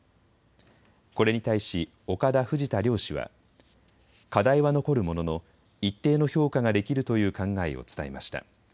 これに対し岡田、藤田両氏は課題は残るものの一定の評価ができるという考えを伝えました。